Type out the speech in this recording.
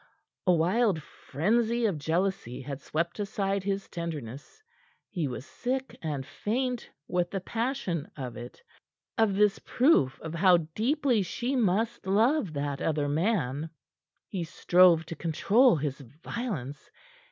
A wild frenzy of jealousy had swept aside his tenderness. He was sick and faint with the passion of it of this proof of how deeply she must love that other man. He strove to control his violence.